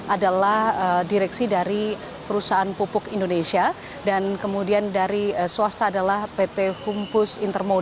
adalah direksi dari perusahaan pupuk indonesia dan kemudian dari swasta adalah pt humpus intermol